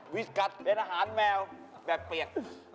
สกัดเป็นอาหารแมวแบบเปียก